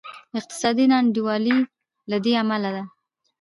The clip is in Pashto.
اقتصادي نا انډولي له دې امله ده.